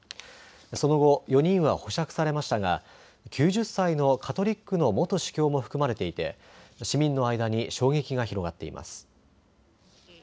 その後、４人は保釈されましたが９０歳のカトリックの元司教も含まれていて市民の間に衝撃が広がっています。